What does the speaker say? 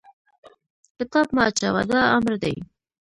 کتاب مه اچوه! دا امر دی.